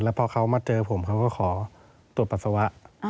พอเขามาเจอผมเขาก็ขอตรวจปัสสาวะ